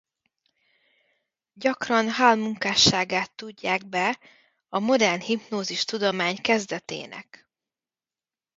Gyakran Hull munkásságát tudják be a modern hipnózis-tudomány kezdetének.